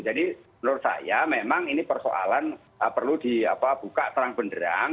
jadi menurut saya memang ini persoalan perlu dibuka terang benderang